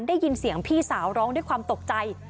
ได้ยินเสียงพี่สาวร้องด้วยความตกใจ